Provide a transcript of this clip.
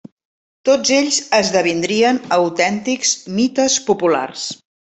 Tots ells esdevindrien autèntics mites populars.